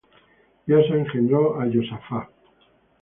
Y Asa engendró á Josaphat: